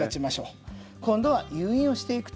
今度は誘引をしていくと。